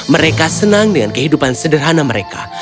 mereka senang dengan kehidupan sederhana mereka